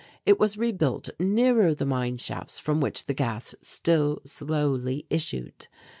It was rebuilt nearer the mine shafts from which the gas still slowly issued.